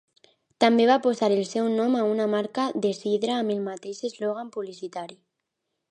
També va posar el seu nom a una marca de sidra amb el mateix eslògan publicitari.